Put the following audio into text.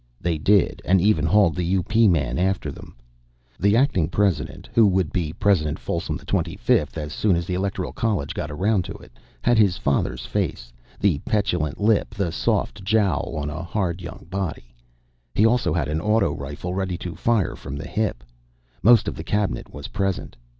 They did, and even hauled the U.P. man after them. The Acting President, who would be President Folsom XXV as soon as the Electoral College got around to it, had his father's face the petulant lip, the soft jowl on a hard young body. He also had an auto rifle ready to fire from the hip. Most of the Cabinet was present.